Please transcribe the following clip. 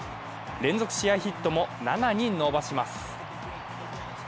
連続試合ヒットも７に伸ばします。